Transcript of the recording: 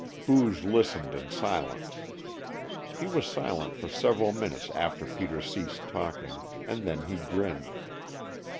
Booge listened in silence. He was silent for several minutes after Peter ceased talking, and then he grinned.